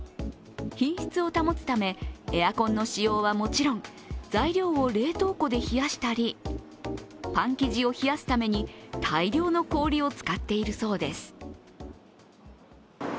品質を保つため、エアコンの使用はもちろん材料を冷凍庫で冷やしたりパン生地を冷やすために大量の氷を使っているそうです。